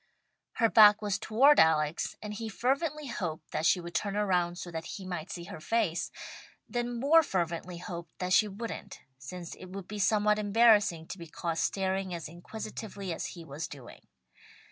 Her back was toward Alex, and he fervently hoped that she would turn around so that he might see her face, then more fervently hoped that she wouldn't, since it would be somewhat embarrassing to be caught staring as inquisitively as he was doing.